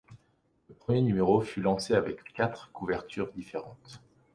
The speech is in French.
Le premier numéro fut lancé avec quatre couvertures différentes.